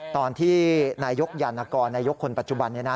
ตอนที่นายกยานกรนายกคนปัจจุบัน